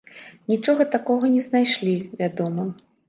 Нічога такога не знайшлі, вядома.